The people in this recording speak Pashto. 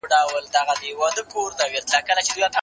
د قوانينو پلي کول د حکومت دنده ده.